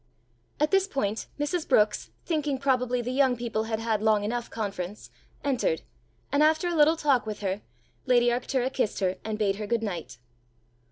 At this point Mrs. Brookes, thinking probably the young people had had long enough conference, entered, and after a little talk with her, lady Arctura kissed her and bade her good night.